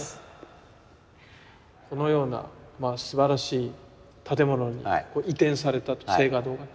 このようなまあすばらしい建物に移転されたと静嘉堂が。